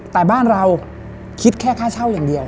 แต่บ้านเราคิดแค่ค่าเช่าอย่างเดียว